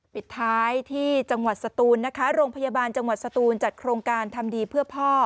ปิดท้ายที่จังหวัดสตูนนะคะโรงพยาบาลจังหวัดสตูนจัดโครงการทำดีเพื่อพ่อ